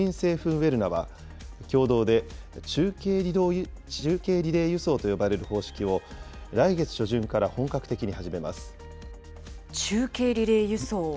ウェルナは、共同で中継リレー輸送と呼ばれる方式を、来月初旬から本格的に始中継リレー輸送。